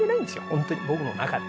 ホントに僕の中で。